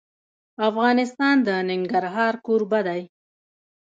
افغانستان د ننګرهار کوربه دی.